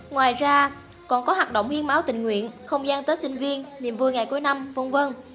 ngoài ra còn có hoạt động hiến máu tình nguyện không gian tết sinh viên niềm vui ngày cuối năm v v